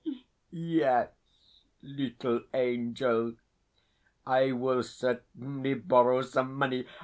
Yes, little angel, I will certainly borrow some money.